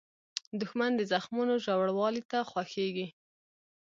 دښمن د زخمونو ژوروالۍ ته خوښیږي